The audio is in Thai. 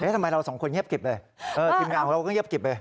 ทำไมเราสองคนเงียบกิบเลยทีมงานของเราก็เงียบกิบเลย